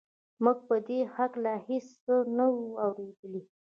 موږ په دې هکله هېڅکله څه نه وو اورېدلي